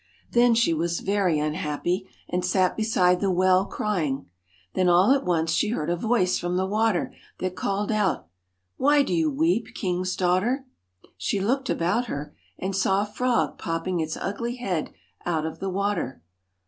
Then she was very unhappy, and sat beside the well crying. Then, all at once, she heard a voice from the water that called out :* Why do you weep, king's daughter ?' She looked about her, and saw a frog popping its ugly head out of the water.